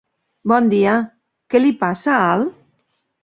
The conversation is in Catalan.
Bon dia, què li passa al??